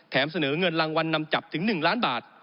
เสนอเงินรางวัลนำจับถึง๑ล้านบาท